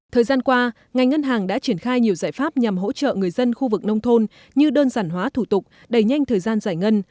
thời gian qua ngành ngân hàng đã triển khai nhiều giải pháp nhằm hỗ trợ người dân khu vực nông thôn như đơn giản hóa thủ tục đẩy nhanh thời gian giải ngân